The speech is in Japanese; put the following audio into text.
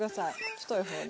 太い方で。